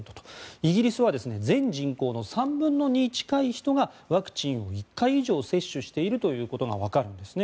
イギリスは全人口の３分の２近い人がワクチンを１回以上接種しているということがわかるんですね。